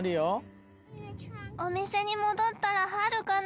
お店に戻ったらあるかな？